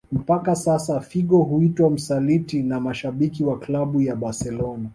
Mpaka sasa Figo huitwa msaliti na mashabiki waklabu ya Barcelona